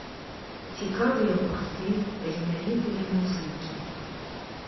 Цікавыя гурты, таленавітыя музыкі.